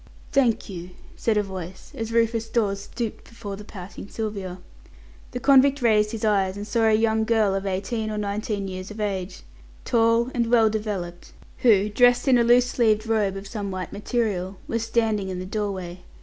"Thank you," said a voice, as Rufus Dawes stooped before the pouting Sylvia. The convict raised his eyes and saw a young girl of eighteen or nineteen years of age, tall, and well developed, who, dressed in a loose sleeved robe of some white material, was standing in the doorway.